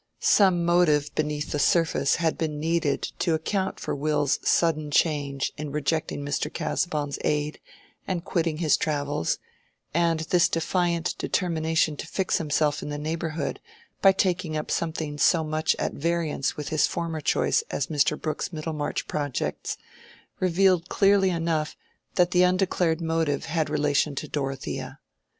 Some motive beneath the surface had been needed to account for Will's sudden change of course in rejecting Mr. Casaubon's aid and quitting his travels; and this defiant determination to fix himself in the neighborhood by taking up something so much at variance with his former choice as Mr. Brooke's Middlemarch projects, revealed clearly enough that the undeclared motive had relation to Dorothea.